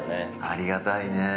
◆ありがたいね。